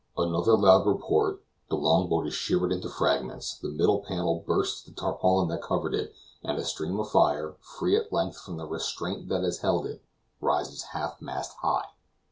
Another loud report; the long boat is shivered into fragments; the middle panel bursts the tarpaulin that covered it, and a stream of fire, free at length from the restraint that had held it, rises half mast high.